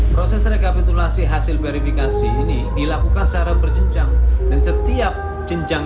proses rekapitulasi hasil verifikasi ini dilakukan secara berjenjang dan setiap jenjang